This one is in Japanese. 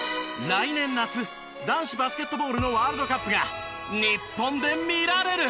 来年夏男子バスケットボールのワールドカップが日本で見られる！